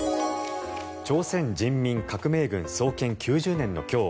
朝鮮人民革命軍創建９０年の今日